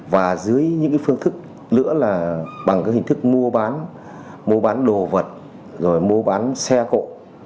và dưới những phương thức nữa là bằng cái hình thức mua bán mua bán đồ vật rồi mua bán xe cộ